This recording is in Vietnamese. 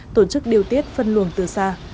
tổ chức điều tiết phân luồng từ xa